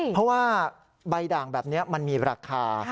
เพราะว่าใบด่างแบบนี้มันมีราคา